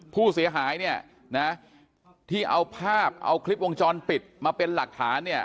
ผู้เสียหายเนี่ยนะที่เอาภาพเอาคลิปวงจรปิดมาเป็นหลักฐานเนี่ย